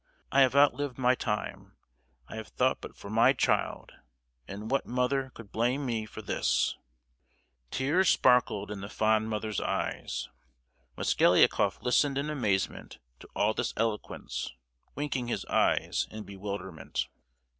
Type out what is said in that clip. I have outlived my time; I have thought but for my child, and what mother could blame me for this?" Tears sparkled in the fond mother's eyes. Mosgliakoff listened in amazement to all this eloquence, winking his eyes in bewilderment.